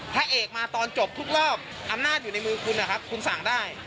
พระเอกมาตอนจบทุกรอบอำนาจอยู่ในมือคุณนะครับคุณสั่งได้